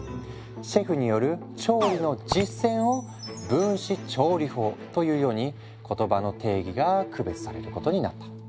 シェフによる調理の実践を「分子調理法」というように言葉の定義が区別されることになった。